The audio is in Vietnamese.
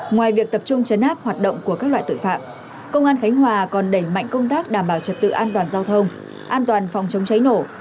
ngoài việc tập trung chấn áp hoạt động của các loại tội phạm công an khánh hòa còn đẩy mạnh công tác đảm bảo trật tự an toàn giao thông an toàn phòng chống cháy nổ